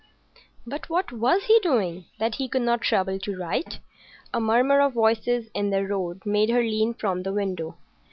But what was he doing, that he could not trouble to write? A murmur of voices in the road made her lean from the window.